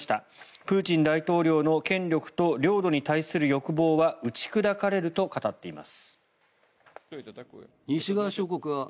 プーチン大統領の権力と領土に対する欲望は打ち砕かれると語っています。